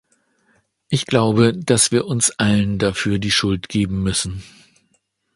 Ich glaube, dass wir uns allen dafür die Schuld geben müssen.